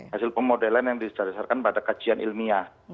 hasil pemodelan yang diserisarkan pada kajian ilmiah